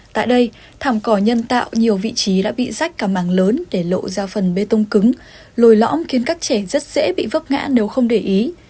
tại đây thảm cỏ nhân tạo nhiều vị trí đã bị rách cả màng lớn để lộ ra phần bê tông cứng lồi lõm khiến các trẻ rất dễ bị vấp ngã nếu không để ý